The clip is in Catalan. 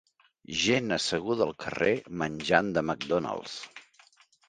Gent asseguda al carrer menjant de McDonalds.